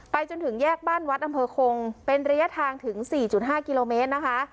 จนถึงแยกบ้านวัดอำเภอคงเป็นระยะทางถึง๔๕กิโลเมตรนะคะ